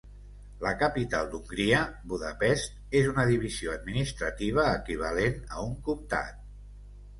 La capital d'Hongria, Budapest, és una divisió administrativa equivalent a un comtat.